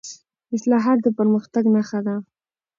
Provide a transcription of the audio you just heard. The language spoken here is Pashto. اصلاحات د پرمختګ نښه ده